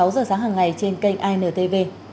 đón xem video tiếp theo trên kênh anntv